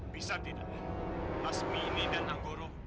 bisa tidak hasmini dan anggoro